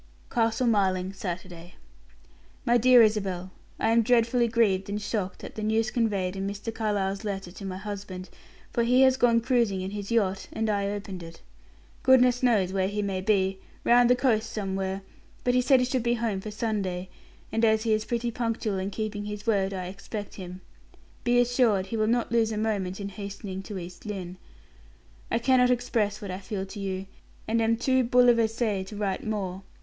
CASTLE MARLING, Saturday. "MY DEAR ISABEL I am dreadfully grieved and shocked at the news conveyed in Mr. Carlyle's letter to my husband, for he has gone cruising in his yacht, and I opened it. Goodness knows where he may be, round the coast somewhere, but he said he should be home for Sunday, and as he is pretty punctual in keeping his word, I expect him. Be assured he will not lose a moment in hastening to East Lynne. "I cannot express what I feel for you, and am too bouleversee to write more.